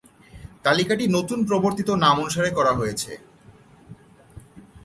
তালিকাটি নতুন প্রবর্তিত নাম অনুসারে করা হয়েছে।